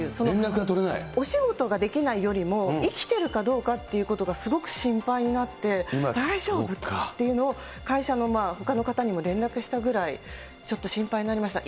お仕事ができないよりも、生きてるかどうかということがすごく心配になって、大丈夫？っていうのを会社のほかの方にも連絡したぐらい、ちょっと心配になりました。